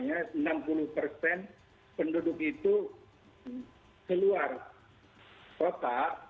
yang terbiasanya enam puluh penduduk itu keluar kota